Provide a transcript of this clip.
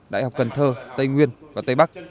đại học cần thơ tây nguyên và tây bắc